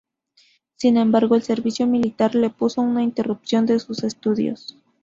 Sin embargo, el servicio militar le supuso una interrupción de sus estudios.